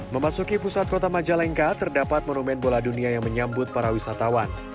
memasuki pusat kota majalengka terdapat monumen bola dunia yang menyambut para wisatawan